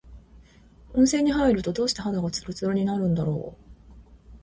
温泉に入ると、どうして肌がつるつるになるんだろう。